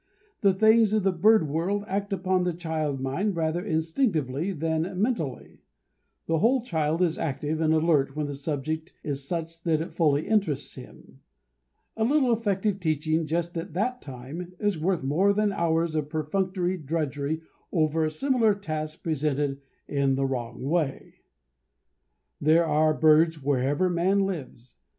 The things of the bird world act upon the child mind rather instinctively than mentally. The whole child is active and alert when the subject is such that it fully interests him. A little effective teaching just at that time is worth more than hours of perfunctory drudgery over a similar task presented in the wrong way. There are birds wherever man lives.